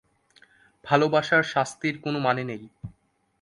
ভালোবাসার শাস্তির কোনো মানে নেই।